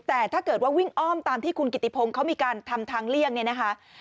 แต่ถ้าเกิดว่าวิ่งอ้อมตามที่คุณกิติพงศ์เขามีการทำทางเลี่ยงเนี่ยนะคะ